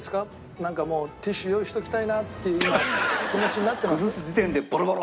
なんかもうティッシュ用意しておきたいなっていう気持ちになってます？